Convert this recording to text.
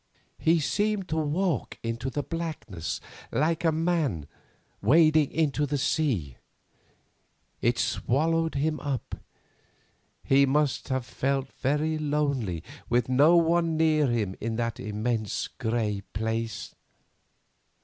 He seemed to walk into the blackness like a man wading into the sea. It swallowed him up; he must have felt very lonely with no one near him in that immense grey place.